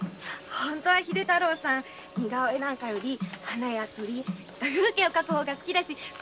本当は秀太郎さん似顔絵より花や鳥風景を描く方が好きだし天下一？